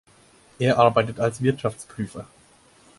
Er arbeitet als Wirtschaftsprüfer.